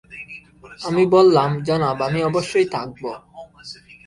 আমি বললাম, জনাব, আমি অবশ্যই থাকব।